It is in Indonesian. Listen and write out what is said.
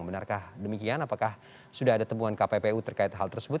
benarkah demikian apakah sudah ada temuan kppu terkait hal tersebut